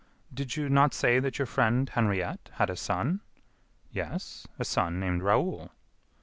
"Did you not say that your friend Henriette had a son?" "Yes; a son named Raoul."